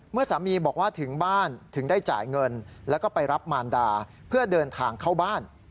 เมื่อสามีบอกว่าถึงบ้านถึงได้จ่ายเงินแล้วก็ไปรับมารดาเพื่อเดินทางเข้าบ้าน